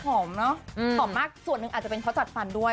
เนอะหอมมากส่วนหนึ่งอาจจะเป็นเพราะจัดฟันด้วย